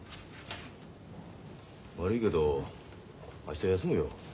悪いけど明日休むよ。